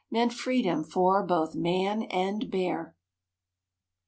Meant freedom for both man and bear.